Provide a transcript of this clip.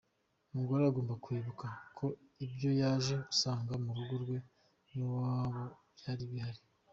Umugore agomba kwibuka ko ibyo yaje asanga murugo rwe niwabo byari bihari.